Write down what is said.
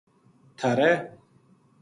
تھہارے